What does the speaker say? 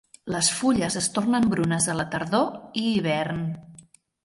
Les fulles es tornen brunes a la tardor i hivern.